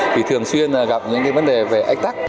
thì thường xuyên gặp những cái vấn đề về ách tắc